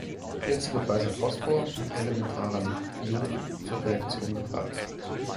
Hierzu wird weißer Phosphor mit elementarem Iod zur Reaktion gebracht.